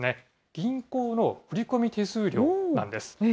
銀行の振り込み手数料なんです。